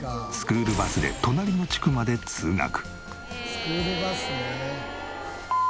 スクールバスね。